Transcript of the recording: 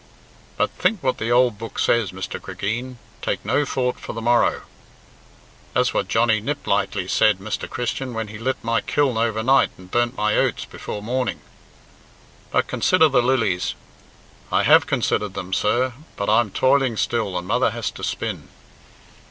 "But think what the old book says, Mr. Cregeen, 'take no thought for the morrow' " "That's what Johnny Niplightly said, Mr. Christian, when he lit my kiln overnight and burnt my oats before morning.". "'But consider the lilies' " "I have considered them, sir; but I'm foiling still and mother has to spin."